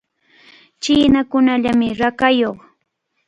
Chinakunallamy rakayuq.